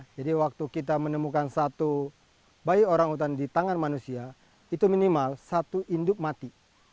jadi waktu kita menemukan satu bayi orangutan di tangan manusia itu minimal satu induk mati